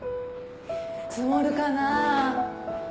積もるかな。